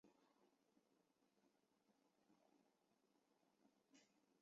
奥雷扬。